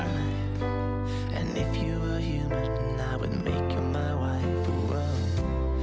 dan jika anda manusia saya akan menjadikan anda istri saya